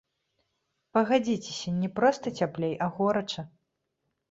Пагадзіцеся, не проста цяплей, а горача!